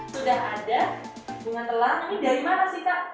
sudah ada bunga telang ini dari mana sih kak